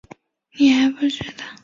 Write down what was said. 妳不知道家里饭还没煮吗